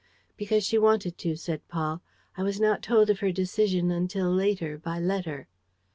"Because she wanted to," said Paul. "I was not told of her decision until later, by letter."